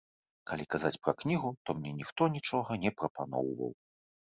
Калі казаць пра кнігу, то мне ніхто нічога не прапаноўваў.